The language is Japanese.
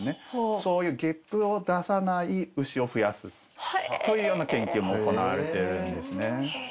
そういうゲップを出さない牛を増やすというような研究も行われてるんですね。